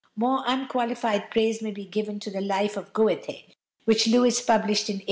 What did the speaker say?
More unqualified praise may be given to the "Life of Goethe," which Lewes published in 1855.